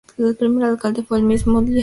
Su primer alcalde fue el mismo Díaz.